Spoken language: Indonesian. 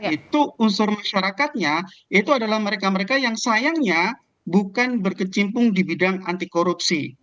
itu unsur masyarakatnya itu adalah mereka mereka yang sayangnya bukan berkecimpung di bidang anti korupsi